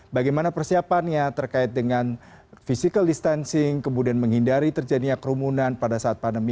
bagaimana persiapannya terkait dengan physical distancing kemudian menghindari terjadinya kerumunan pada saat pandemi